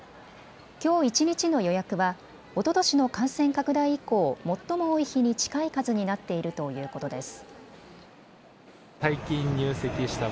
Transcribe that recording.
きょう一日の予約はおととしの感染拡大以降、最も多い日に近い数になっているということです。